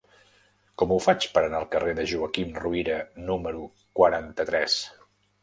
Com ho faig per anar al carrer de Joaquim Ruyra número quaranta-tres?